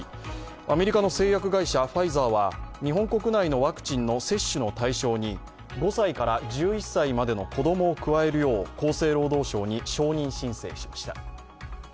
アメリカの製薬会社、ファイザーは日本国内のワクチンの接種の対象に５歳から１１歳までの子供を加えるよう厚生労働省に承認申請しました。